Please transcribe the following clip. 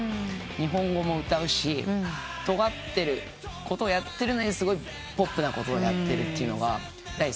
日本語も歌うしとがってることをやってるのにすごいポップなことをやってるというのが大好きで。